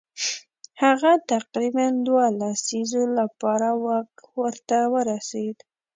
هغه تقریبا دوو لسیزو لپاره واک ورته ورسېد.